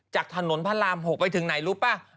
จากถนนพระราม๖ไปถึงไหนรู้ป่ะ